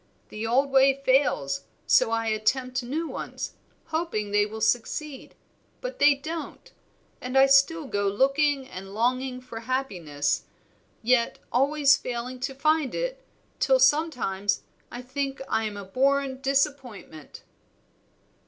The old ways fail, so I attempt new ones, hoping they will succeed; but they don't, and I still go looking and longing for happiness, yet always failing to find it, till sometimes I think I am a born disappointment."